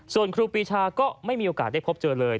ส่วนครูปีชาก็ไม่มีโอกาสได้พบเจอเลย